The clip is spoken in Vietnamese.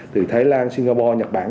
từ thái lan singapore nhật bản